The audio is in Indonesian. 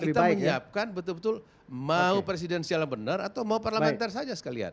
kita menyiapkan betul betul mau presiden secara benar atau mau parlamenter saja sekalian